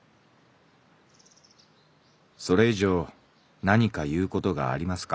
「それ以上なにか言うことがありますか」。